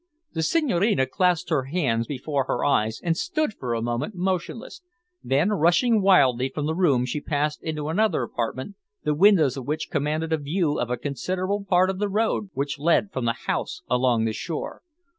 The Senhorina clasped her hands before her eyes, and stood for a moment motionless, then rushing wildly from the room she passed into another apartment the windows of which commanded a view of a considerable part of the road which led from the house along the shore.